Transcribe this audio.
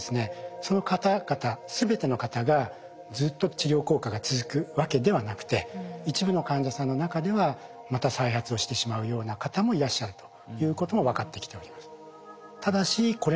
その方々全ての方がずっと治療効果が続くわけではなくて一部の患者さんの中ではまた再発をしてしまうような方もいらっしゃるということも分かってきております。